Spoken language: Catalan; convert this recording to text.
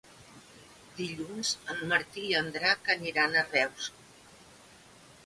Dilluns en Martí i en Drac aniran a Reus.